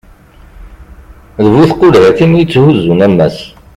d bu tqulhatin i yetthuzzun ammas